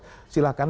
itu sudah jelas